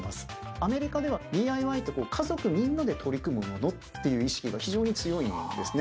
アメリカではＤＩＹって家族みんなで取り組むものっていう意識が非常に強いんですね。